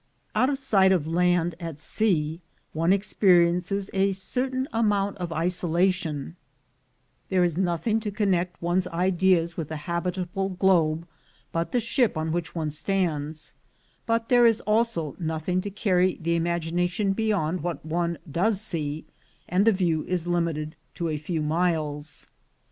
Out of sight of land at sea one experiences a cer 112 THE GOLD HUNTERS tain feeling of isolation: there is nothing to connect one's ideas with the habitable globe but the ship on which one stands; but there is also nothing to carry the imagination beyond what one does see, and the view is limited to a few miles.